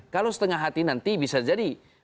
kalau setengah hati nanti bisa jadi